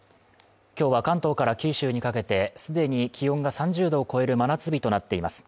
今日は関東から九州にかけて、既に気温が３０度を超える真夏日となっています。